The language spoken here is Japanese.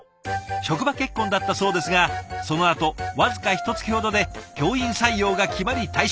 職場結婚だったそうですがそのあと僅かひとつきほどで教員採用が決まり退職。